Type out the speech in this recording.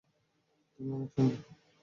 তুমি অনেক সুন্দর।